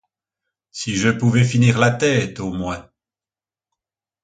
Si je pouvais finir la tête, au moins!